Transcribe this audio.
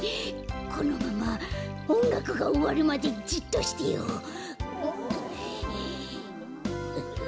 このままおんがくがおわるまでじっとしてよう。